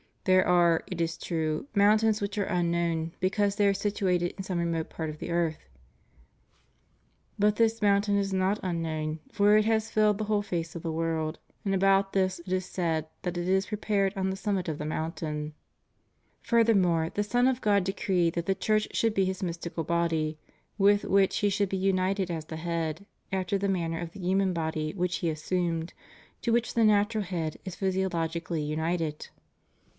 There are, it is true, mountains which are unknown because they are situated in some remote part of the earth. ... But this mountain is not miknown; for it has filled the whole (ace of the world, and about this it is said that it is pre pared on the summit of the mountains. "^ Furthermore, the Son of God decreed that the Church '^ should be His mystical body, with which He should be ^ united as the head, after the manner of the human body which He assumed, to which the natural head is physio logically united.